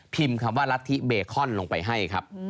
คำว่ารัฐธิเบคอนลงไปให้ครับ